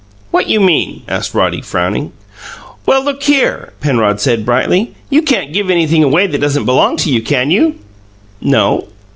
"What you mean?" asked Roddy, frowning. "Well, look here," Penrod began brightly. "You can't give anything away that doesn't belong to you, can you?" "No."